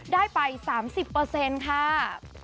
ได้ไป๓๐ค่ะ